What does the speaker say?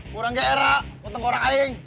kurang ge'era kutengkorak aing